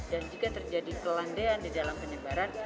dan jika terjadi kelandean di dalam penyebaran